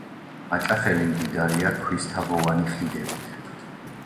მაჭახელი მდიდარია ქვისთაღოვანი ხიდებით.